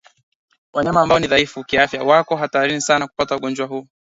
Wanyama ambao ni dhaifu kiafya wako hatarini sana kupata ugonjwa huu